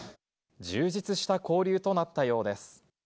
充実した交流となったようです。